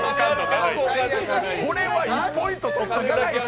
これは、１ポイント取っとかないと。